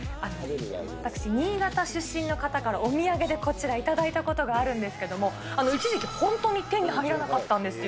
私、新潟出身の方からお土産でこちら、頂いたことあるんですけれども、一時期、本当に手に入らなかったんですよ。